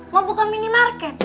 mau buka minimarket